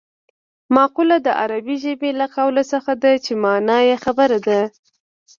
مقوله د عربي ژبې له قول څخه ده چې مانا یې خبره ده